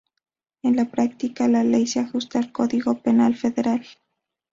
En la práctica, la ley se ajusta al Código Penal Federal.